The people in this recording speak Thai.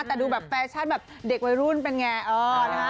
แต่ดูแบบแฟชั่นแบบเด็กวัยรุ่นเป็นไง